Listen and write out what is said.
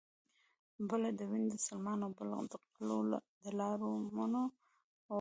بله د وین د سلماني او بله د غلو د الارمونو وه